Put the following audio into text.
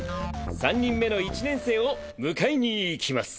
３人目の一年生を迎えに行きます。